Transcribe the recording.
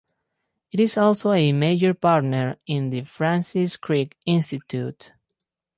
It is also a major partner in the Francis Crick Institute.